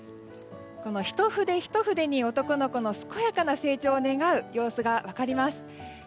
一筆一筆に男の子の健やかな成長を願う様子が分かります。